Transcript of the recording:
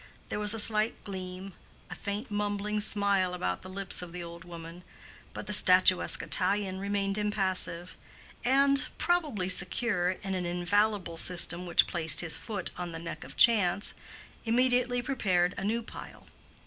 There was a slight gleam, a faint mumbling smile about the lips of the old woman; but the statuesque Italian remained impassive, and—probably secure in an infallible system which placed his foot on the neck of chance—immediately prepared a new pile.